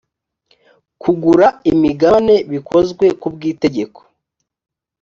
kugura imigabane bikozwe ku bw itegeko